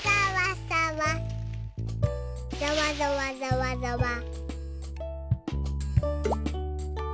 ざわざわざわざわ。